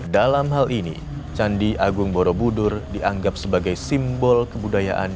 dalam hal ini candi agung borobudur dianggap sebagai simbol kebudayaan